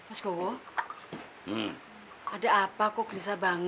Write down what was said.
aku akan kasih kamu pelajaran